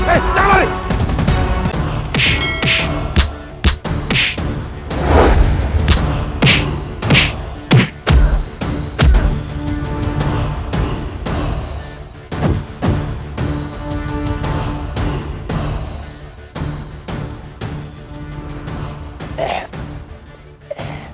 eh jangan lari